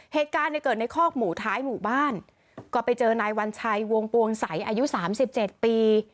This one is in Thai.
เหตุการณ์เนี่ยเกิดในคอกหมูท้ายหมู่บ้านก็ไปเจอนายวัญชัยวงปวงใสอายุสามสิบเจ็ดปี